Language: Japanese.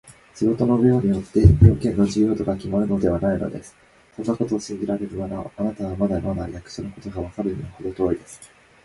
仕事の量によって、用件の重要度がきまるのではないのです。そんなことを信じられるなら、あなたはまだまだ役所のことがわかるのにはほど遠いのです。